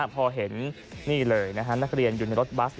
พอเห็นนี่เลยนักเรียนอยู่ในรถบัส